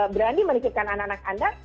berani menitipkan anak anak anda